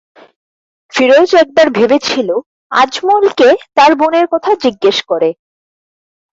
ফিরোজ একবার ভেবেছিল, আজমলকে তার বোনের কথা জিজ্ঞেস করে।